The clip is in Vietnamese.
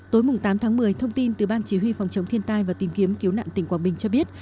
tối tám tháng một mươi thông tin từ ban chỉ huy phòng chống thiên tai và tìm kiếm cứu nạn tỉnh quảng bình cho biết